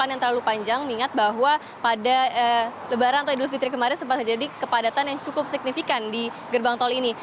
dan juga untuk penumpukan yang terlalu panjang ingat bahwa pada lebaran atau idul fitri kemarin sempat terjadi kepadatan yang cukup signifikan di gerbang tol ini